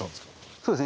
そうですね。